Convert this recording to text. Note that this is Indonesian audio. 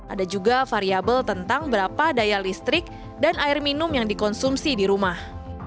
ada juga variable tentang berapa daya listrik dan air minum yang dikonsumsi di rumah